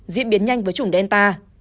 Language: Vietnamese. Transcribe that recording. diễn biến nhanh với chủng delta